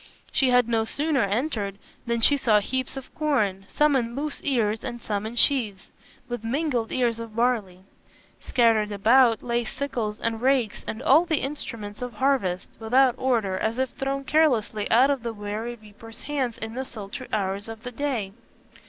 She had no sooner entered than she saw heaps of corn, some in loose ears and some in sheaves, with mingled ears of barley. Scattered about, lay sickles and rakes, and all the instruments of harvest, without order, as if thrown carelessly out of the weary reapers' hands in the sultry hours of the day.